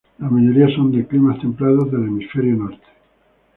La mayoría son de climas templados del hemisferio norte.